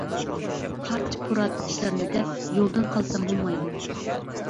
پارچە-پۇرات ئىشلارنى دەپ يولدىن قالسام بولمايدۇ.